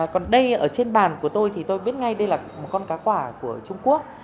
còn đây ở trên bàn của tôi thì tôi viết ngay đây là một con cá quả của trung quốc